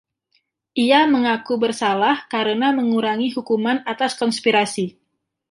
Ia mengaku bersalah karena mengurangi hukuman atas konspirasi.